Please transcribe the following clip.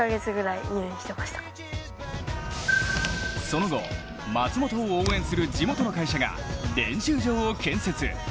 その後、松本を応援する地元の会社が練習場を建設。